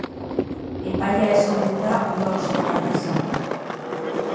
Epaia ez omen da uda ostera arte ezagutuko.